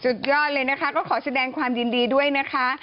ยอดเลยนะคะก็ขอแสดงความยินดีด้วยนะคะ